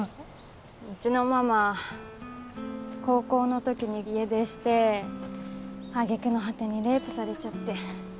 うちのママ高校の時に家出してあげくの果てにレイプされちゃって。